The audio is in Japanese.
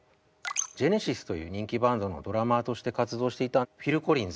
ジェネシスという人気バンドのドラマーとして活動していたフィル・コリンズ。